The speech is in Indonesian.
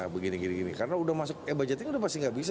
begini gini karena e budgeting udah pasti gak bisa